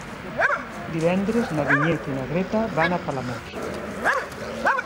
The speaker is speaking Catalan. Divendres na Vinyet i na Greta van a Palamós.